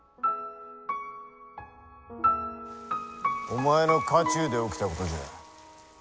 お前の家中で起きたことじゃ。